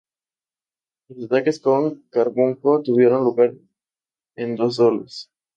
Los ataques con carbunco tuvieron lugar en dos olas.